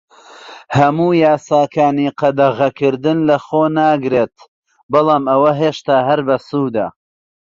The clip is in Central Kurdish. هەموو یاساکانی قەدەغەکردن لەخۆ ناگرێت، بەڵام ئەوە هێشتا هەر بەسوودە.